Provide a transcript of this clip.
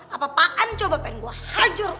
apa apaan coba pengen gue hancur